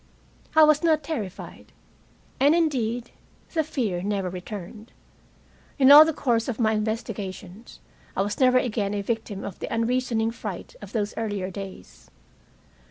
I was not terrified. And indeed the fear never returned. In all the course of my investigations, I was never again a victim of the unreasoning fright of those earlier days.